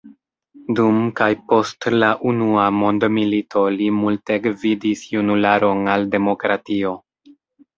Dum kaj post la unua mondmilito li multe gvidis junularon al demokratio.